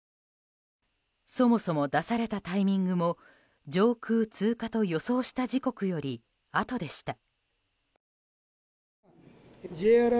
そもそも出されたタイミングも上空通過と予想した時刻よりあとでした。